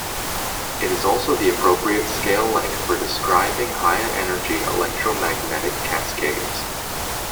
It is also the appropriate scale length for describing high-energy electromagnetic cascades.